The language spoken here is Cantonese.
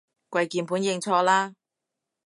跪鍵盤認錯啦